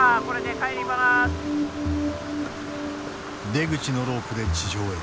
出口のロープで地上へ。